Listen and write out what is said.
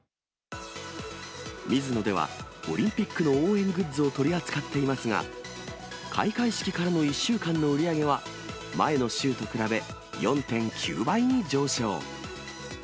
ミズノではオリンピックの応援グッズを取り扱っていますが、開会式からの１週間の売り上げは、前の週と比べ４．９倍に上昇。